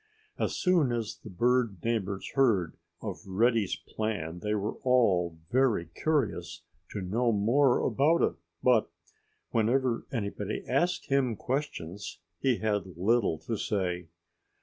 As soon as the bird neighbors heard of Reddy's plan they were all very curious to know more about it. But whenever anybody asked him questions he had little to say.